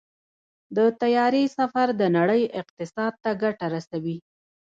د طیارې سفر د نړۍ اقتصاد ته ګټه رسوي.